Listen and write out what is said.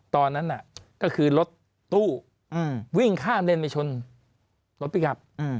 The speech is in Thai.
ตอนนั้นก็คือรถตู้วิ่งข้ามเลนไปชนรถพลิกกลับ